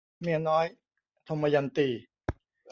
เมียน้อย - ทมยันตี